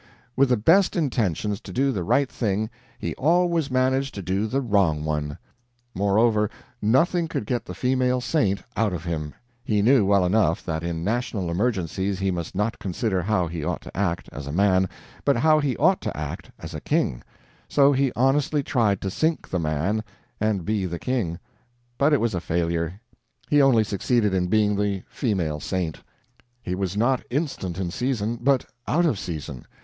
With the best intentions to do the right thing, he always managed to do the wrong one. Moreover, nothing could get the female saint out of him. He knew, well enough, that in national emergencies he must not consider how he ought to act, as a man, but how he ought to act as a king; so he honestly tried to sink the man and be the king but it was a failure, he only succeeded in being the female saint. He was not instant in season, but out of season.